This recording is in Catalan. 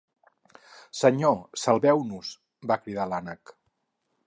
"Senyor, salveu-nos!" va cridar l'ànec.